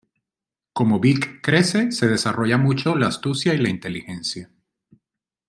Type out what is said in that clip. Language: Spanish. Como Vic crece, se desarrolla mucho la astucia y la inteligencia.